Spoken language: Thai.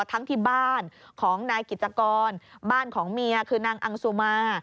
ทั้งที่บ้านของนายกิจกรบ้านของเมียคือนางอังซูมา